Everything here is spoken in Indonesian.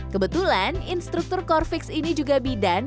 kebetulan instruktur corvix ini juga bidan